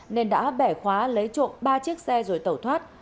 nên đã bẻ khóa lấy trộm ba chiếc xe rồi tẩu thoát